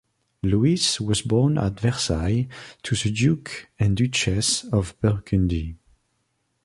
Louis was born at Versailles to the Duke and Duchess of Burgundy.